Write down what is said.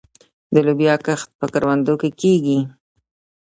د لوبیا کښت په کروندو کې کیږي.